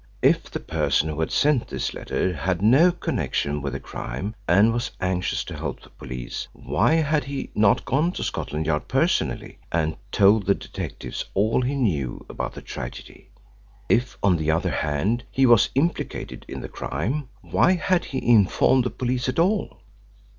If the person who had sent this letter had no connection with the crime and was anxious to help the police, why had he not gone to Scotland Yard personally and told the detectives all he knew about the tragedy? If, on the other hand, he was implicated in the crime, why had he informed the police at all?